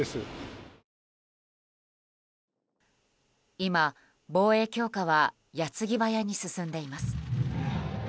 今、防衛強化は矢継ぎ早に進んでいます。